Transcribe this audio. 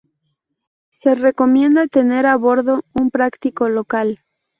Se recomienda tener a bordo un práctico local.